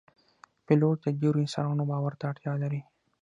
پیلوټ د ډیرو انسانانو باور ته اړتیا لري.